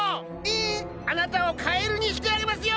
えっ⁉あなたをカエルにしてあげますよ！